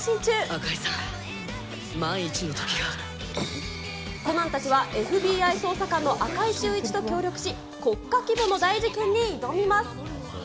赤井さん、コナンたちはＦＢＩ捜査官の赤井秀一と協力し、国家規模の大事件に挑みます。